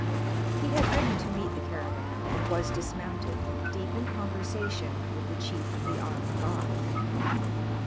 He had ridden to meet the caravan and was dismounted, deep in conversation with the chief of the armed guard.